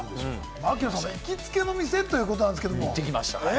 槙野さんの行きつけの店ということなんですけれど。